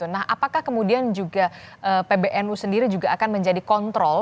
nah apakah kemudian juga pbnu sendiri juga akan menjadi kontrol